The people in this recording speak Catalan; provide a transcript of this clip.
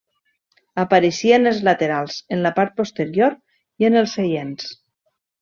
Apareixia en els laterals, en la part posterior i en els seients.